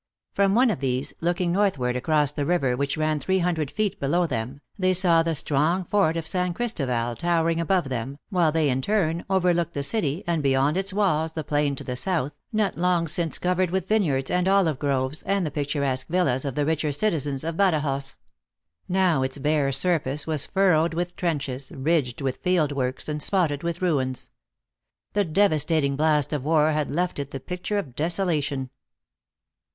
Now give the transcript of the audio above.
From one of these, looking northw T ard across the river which ran three hundred feet below them, they saw the strong fort of San Christoval tow ering above them, while they, in turn, overlooked the city, and beyond its walls, the plain to the south, not long since covered with vineyards, and olive groves, and the picturesque villas of the richer citizens of Badajoz now its bare surface was furrowed with I 292 THE ACTRESS IN HIGH LIFE. trenches, ridged with field works, and spotted with ruins. The devastating blast of war had left it the picture ofdesolation.